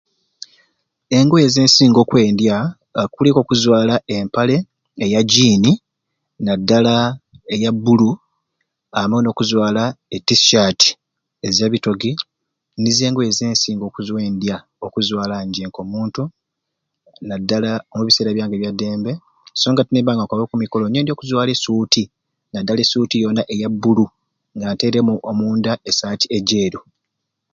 Engoye zensinga okwendya kuliku okuzwala empale eya jean nadala eya blue amwei n'okuzwala e Tshirt eza bitogi nizo engoye zensinga okwendya okuzwala nje nko muntu nadala omu bisera byange ebyadembe songa te nimba nga nkwaba oku mikolo ngyendya okuzwala e suite nadala e suite yona eya blue nge nteremu omunda e shirt ejeru